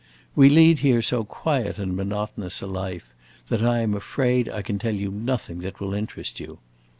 We lead here so quiet and monotonous a life that I am afraid I can tell you nothing that will interest you.